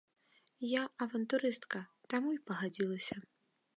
Я авантурыстка, таму і пагадзілася.